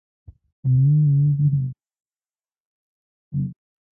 له نوې نړۍ څخه راغلي فکرونه انحرافونه دي.